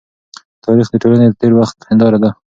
تاریخ د ټولني د تېر وخت هنداره ده.